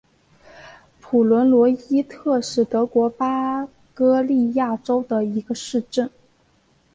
普伦罗伊特是德国巴伐利亚州的一个市镇。